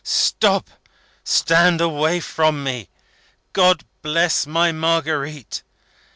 "Stop! Stand away from me! God bless my Marguerite!